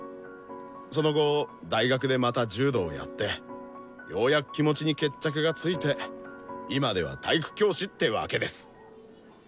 その後大学でまた柔道やってようやく気持ちに決着がついて今では体育教師ってわけです！